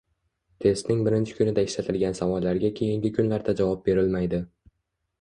Testning birinchi kunida ishlatilgan savollarga keyingi kunlarda javob berilmaydi